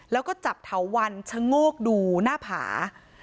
แล้วก็จับเถาวันชะโงกดูหน้าผา